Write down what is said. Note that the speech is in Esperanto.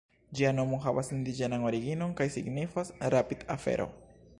Ĝia nomo havas indiĝenan originon kaj signifas "rapid-afero".